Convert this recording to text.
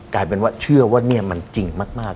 กลายเป็นว่าเชื่อว่าเนี่ยมันจริงมาก